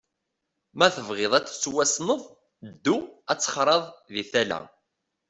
Ma tebɣiḍ ad tettwassneḍ, ddu ad texraḍ di tala.